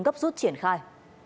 gấp rút triển khai